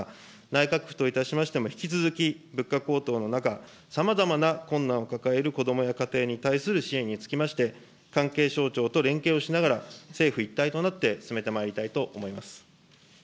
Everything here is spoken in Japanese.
内閣府といたしましても引き続き、物価高騰の中、さまざまな困難を抱える子どもや家庭に対する支援につきまして、関係省庁と連携をしながら、政府一体となって進めてまいりたいと思います。